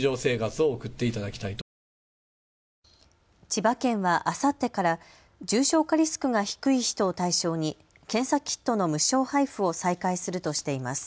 千葉県はあさってから重症化リスクが低い人を対象に検査キットの無償配布を再開するとしています。